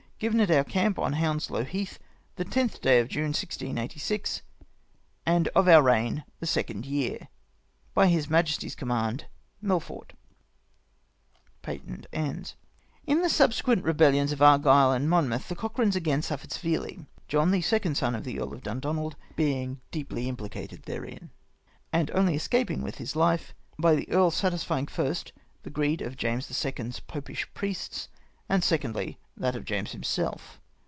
" Griven at our camp on Hounslow Heath, the 10th day of June 1686, and of our reign the second year. •" By His Majesty's command, " Melfort." In tlie subsequent rebellions of Argyle and Mon mouth the Coe.hranes again suffered severely : John, the second son of the Earl of Dund(^nald, bemg deeply implicated therein, and only escaping with his hfe by the earl satisfying, first, the greed of James the Second's popish priests, and secondly, that of James himself.